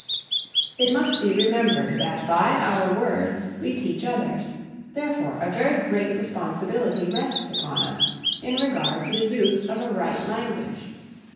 It must be remembered that by our words we teach others; therefore, a very great responsibility rests upon us in regard to the use of a right language.